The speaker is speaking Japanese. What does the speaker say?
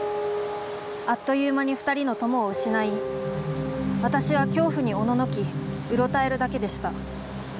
あっという間に２人の友を失い私は恐怖におののきうろたえるだけでした。